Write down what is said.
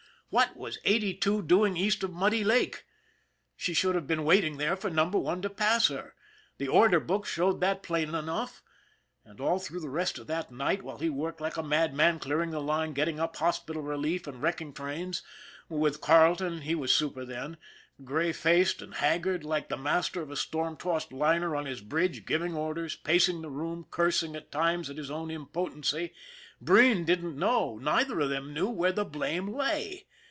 What was Eighty Two doing east of Muddy Lake? She should have been waiting there for Number One to pass her. The order book showed that plain enough. And all through the rest of that night, while he worked like a madman clearing the line, getting up hospital relief, and wrecking trains with Carle ton, he was super then, gray faced and haggard, like the master of a storm tossed liner on his bridge giving orders, pacing the room, cursing at times at his own impotency Breen didn't know, neither of them knew, where the blame lay.